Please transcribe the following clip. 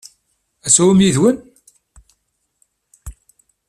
Ad t-tawim yid-wen?